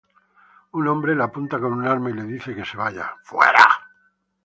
Un hombre le apunta con un arma y le dice que se vaya.